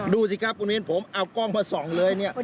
ดูสิครับคุณวินทร์ผมเอากล้องมาส่องเลย